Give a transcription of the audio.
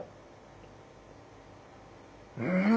うん！